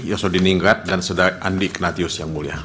yosodin ingrat dan sedar andi ignatius yang mulia